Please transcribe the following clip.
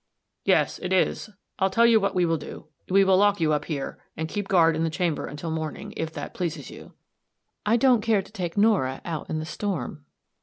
"Yes, it is. I'll tell you what we will do. We will lock you up here, and keep guard in the chamber until morning, if that pleases you." "I don't care to take Norah out in the storm."